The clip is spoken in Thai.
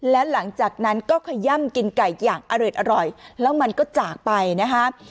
และหลังจากนั้นก็ขย่ำกินไก่อย่างอร่อยแล้วมันก็จากไปนะคะ